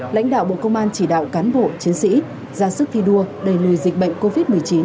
lãnh đạo bộ công an chỉ đạo cán bộ chiến sĩ ra sức thi đua đẩy lùi dịch bệnh covid một mươi chín